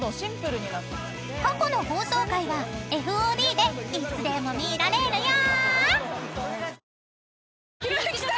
［過去の放送回はＦＯＤでいつでも見られるよ！］